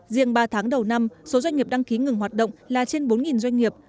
riêng ba tháng đầu năm số doanh nghiệp đăng ký ngừng hoạt động là trên bốn doanh nghiệp